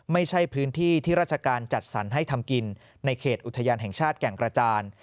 ไม่ใช่พื้นที่ที่ราชการจัดสรรให้ทำกินในเขตอุทยานแห่งชาติแก่งกระจาน